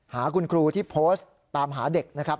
หาคุณครูที่โพสต์ตามหาเด็กนะครับ